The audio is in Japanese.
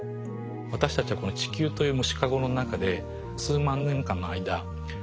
私たちはこの地球という虫かごの中で数万年間の間蚊を増やし続けてきた。